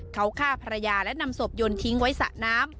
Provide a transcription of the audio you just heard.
เขาฆ่าภรรยาและนำศพยนต์ทิ้งไว้สระน้ำ